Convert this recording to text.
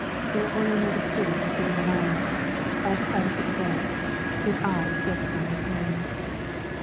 There Ole Nordistuen is sitting alone, by the side of his bed, his eyes fixed on his hands.